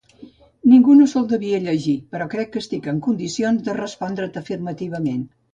Ningú no se'l devia llegir, però crec que estic en condicions de respondre't afirmativament.